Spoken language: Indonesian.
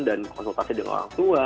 dan konsultasi dengan orang tua